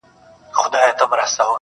ټوله نــــړۍ راپسي مه ږغوه.